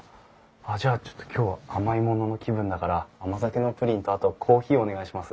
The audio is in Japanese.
あっじゃあちょっと今日は甘いものの気分だから甘酒のプリンとあとコーヒーお願いします。